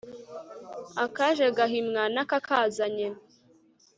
akaje gahimwa n'akakazanye